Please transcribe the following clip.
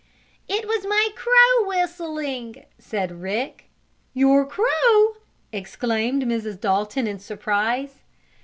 "It was my crow whistling!" said Rick. "Your crow?" exclaimed Mrs. Dalton, in surprise.